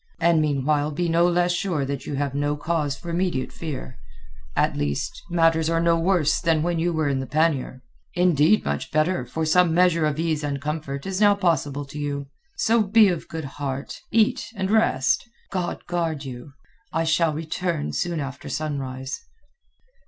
And meanwhile be no less sure that you have no cause for immediate fear. At least, matters are no worse than when you were in the pannier. Indeed, much better, for some measure of ease and comfort is now possible to you. So be of good heart; eat and rest. God guard you! I shall return soon after sunrise."